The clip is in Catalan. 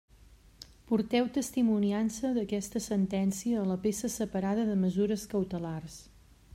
Porteu testimoniança d'aquesta sentència a la peça separada de mesures cautelars.